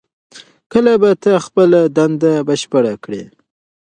کله به ته خپله دنده بشپړه کړې؟